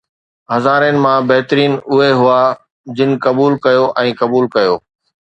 ھزارين مان بھترين اھي ھئا جن قبول ڪيو ۽ قبول ڪيو